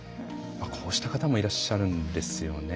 こうした方もいらっしゃるんですよね。